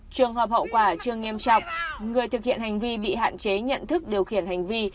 trường hợp hậu quả chưa nghiêm trọng người thực hiện hành vi bị hạn chế nhận thức điều khiển hành vi